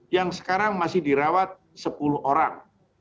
yang sekarang masih dirawat sepuluh orang